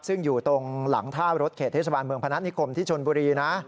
ซึ่งอยู่ตรงหลังท่ารถเขตเทศบาลเมืองพนัฐนิคมที่ชนบุรีนะ